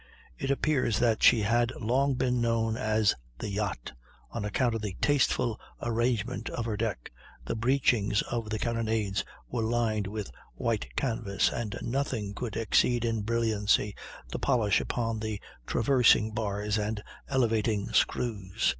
It appears that she had long been known as "the yacht," on account of the tasteful arrangement of her deck; the breechings of the carronades were lined with white canvas, and nothing could exceed in brilliancy the polish upon the traversing bars and elevating screws.